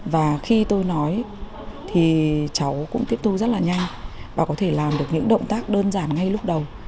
và khi tôi nói thì cháu cũng tiếp thu rất là nhanh và có thể làm được những động tác đơn giản ngay lúc đầu